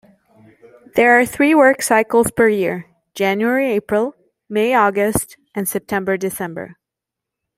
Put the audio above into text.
There are three work cycles per year: January-April, May-August, and September-December.